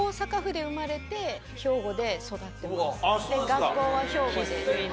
学校は兵庫です。